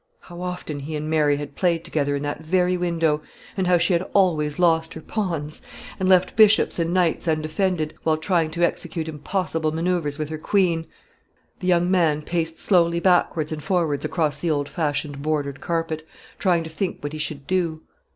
How often he and Mary had played together in that very window; and how she had always lost her pawns, and left bishops and knights undefended, while trying to execute impossible manoeuvres with her queen! The young man paced slowly backwards and forwards across the old fashioned bordered carpet, trying to think what he should do.